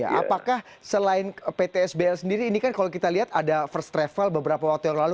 apakah selain pt sbl sendiri ini kan kalau kita lihat ada first travel beberapa waktu yang lalu